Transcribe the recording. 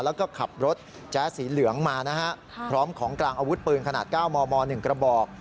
แล้วก็ขับรถแจ๊สสีเหลืองมานะฮะพร้อมของกลางอาวุธปืนขนาด๙มม๑กระบอก